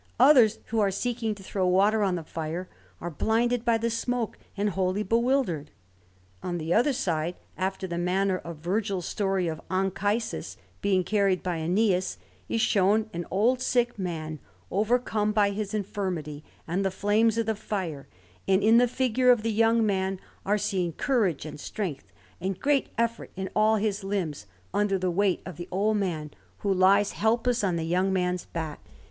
Others, who are seeking to throw water on the fire, are blinded by the smoke and wholly bewildered. On the other side, after the manner of Virgil's story of Anchises being carried by Æneas, is shown an old sick man, overcome by his infirmity and the flames of the fire; and in the figure of the young man are seen courage and strength, and great effort in all his limbs under the weight of the old man, who lies helpless on the young man's back.